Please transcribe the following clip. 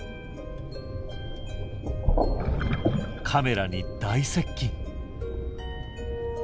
カメラに大接近。